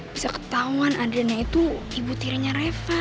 bisa ketauan adriana itu ibu tirinya reva